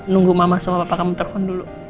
nunggu mama sama papa kamu telpon dulu